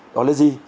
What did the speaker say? đó là gì